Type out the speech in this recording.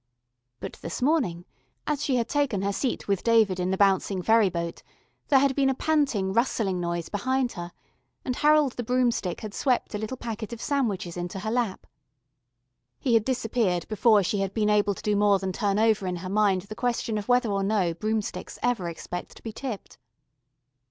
But this morning, as she had taken her seat with David in the bouncing ferry boat, there had been a panting rustling noise behind her, and Harold the Broomstick had swept a little packet of sandwiches into her lap. He had disappeared before she had been able to do more than turn over in her mind the question whether or no broomsticks ever expect to be tipped.